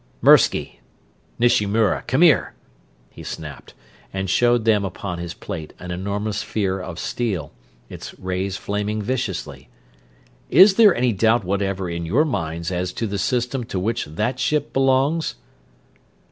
"Mirsky! Nishimura! Come here!" he snapped, and showed them upon his plate an enormous sphere of steel, its rays flaming viciously. "Is there any doubt whatever in your minds as to the System to which that ship belongs?"